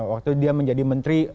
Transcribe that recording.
waktu dia menjadi menteri